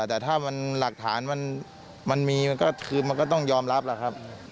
แต่ถ้ามันหลักฐานมันมีมันก็คือมันก็ต้องยอมรับล่ะครับ